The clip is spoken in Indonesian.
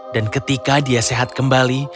dan ketika dia sehat kembali